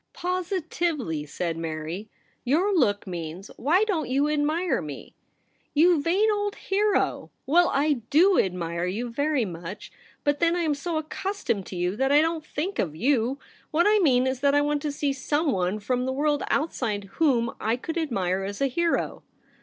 * Positively,' said Mary, 'your look means, "Why don't you admire me .^" You vain old hero ! Well, I do admire you very much ; but then I am so accustomed to you that I don't think of you. What I mean is that I want to see someone from the world outside whom I could admire as a hero.'